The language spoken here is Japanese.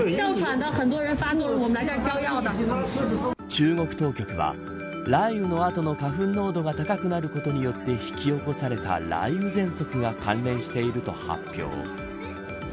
中国当局は雷雨の後の花粉濃度が高くなることによって引き起こされた雷雨ぜんそくが関連していると発表。